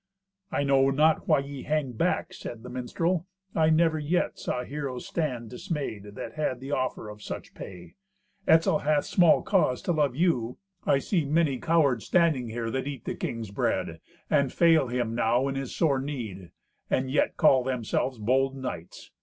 "I know not why ye hang back," said the minstrel. "I never yet saw heroes stand dismayed that had the offer of such pay. Etzel hath small cause to love you. I see many cowards standing here that eat the king's bread, and fail him now in his sore need, and yet call themselves bold knights.